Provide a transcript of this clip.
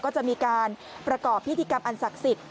ก็จะมีการประกอบพิธีกรรมอันศักดิ์สิทธิ